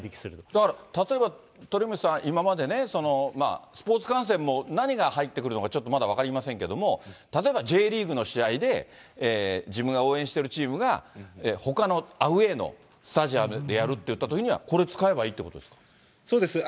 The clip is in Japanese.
だから例えば、鳥海さん、今までね、スポーツ観戦も何が入ってくるのかちょっとまだ分かりませんけれども、例えばＪリーグの試合で、自分が応援しているチームがほかのアウエーのスタジアムでやるっていったときには、これ使えばいそうです。